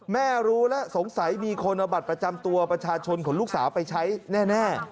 แม่รู้แล้วสงสัยมีคนเอาบัตรประจำตัวประชาชนของลูกสาวไปใช้แน่